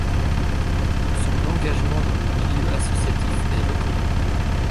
Son engagement dans le milieu associatif est reconnu.